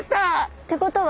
ってことは